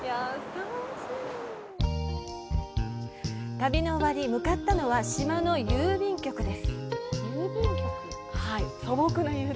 旅の終わり、向かったのは島の郵便局です。